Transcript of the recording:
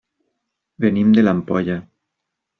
Venim de l'Ampolla.